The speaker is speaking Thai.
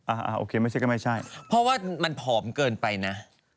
อ่าโอเคไม่ใช่ก็ไม่ใช่เพราะว่ามันผอมเกินไปนะ